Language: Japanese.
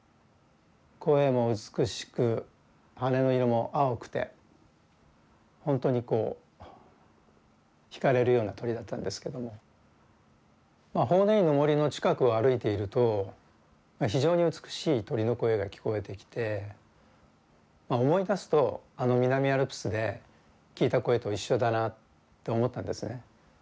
声も美しく羽の色も青くて本当にこう惹かれるような鳥だったんですけどもまあ法然院の森の近くを歩いていると非常に美しい鳥の声が聞こえてきて思い出すとあの南アルプスで聞いた声と一緒だなって思ったんですね。